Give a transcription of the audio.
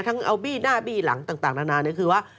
ทั้งเอาหน้าบี้หลังต่างนานานคือว่า